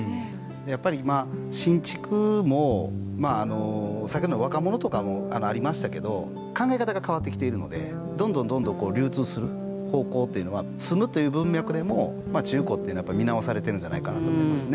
やっぱり今新築もさっきの若者とかもありましたけど考え方が変わってきているのでどんどんどんどん流通する方向っていうのは住むという文脈でも中古って見直されているんじゃないかなと思いますね。